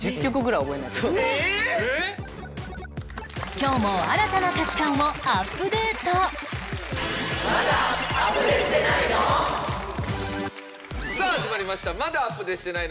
今日も新たな価値観をアップデートさあ始まりました『まだアプデしてないの？』。